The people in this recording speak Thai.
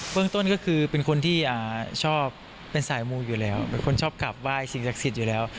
เรื่องต้นก็คือเป็นคนที่ชอบเป็นสายมูอยู่แล้วเป็นคนชอบกลับไหว้สิ่งศักดิ์สิทธิ์อยู่แล้ว